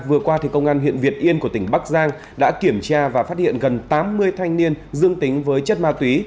vừa qua công an huyện việt yên của tỉnh bắc giang đã kiểm tra và phát hiện gần tám mươi thanh niên dương tính với chất ma túy